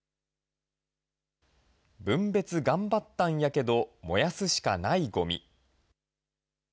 分別頑張ったんやけど、燃やすしかないごみ。